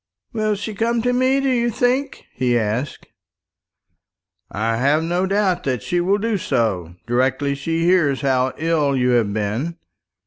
"Will she come to me, do you think?" he asked. "I have no doubt that she will do so, directly she hears how ill you have been.